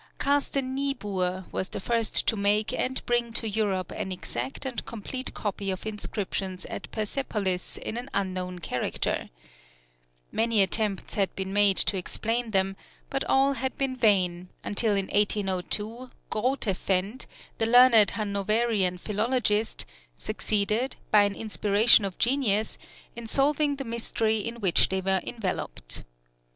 Carsten Niebuhr was the first to make and bring to Europe an exact and complete copy of inscriptions at Persepolis in an unknown character. Many attempts had been made to explain them, but all had been vain, until in 1802 Grotefend, the learned Hanoverian philologist, succeeded, by an inspiration of genius, in solving the mystery in which they were enveloped.